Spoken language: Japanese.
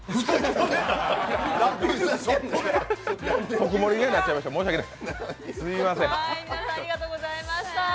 特盛りになっちゃいました申し訳ない。